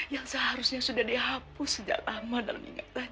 yang seharusnya sudah dihapus sejak lama dalam ingatan